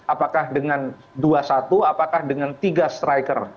apakah dengan dua satu apakah dengan tiga striker